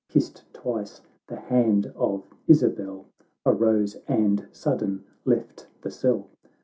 Kissed twice the hand of Isabel, Arose, and sudden left the cell.